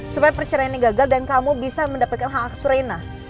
supaya perceraian ini gagal dan kamu bisa mendapatkan hak hak se rena